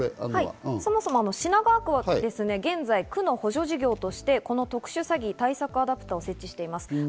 そもそも品川区は現在、区の補助事業としてこの特殊詐欺対策アダプタを設置しています。